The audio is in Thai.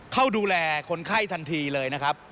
เข้าดูแลคนไข้ทันทีเลยนะครับ